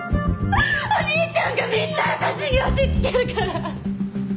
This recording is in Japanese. お兄ちゃんがみんな私に押しつけるから！